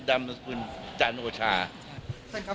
ส่วนครับด้านพลเอกปรีชาเนี่ยจะเป็นบันทักษะไหนกับ